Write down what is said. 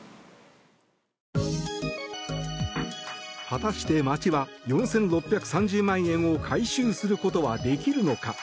果たして町は４６３０万円を回収することはできるのか。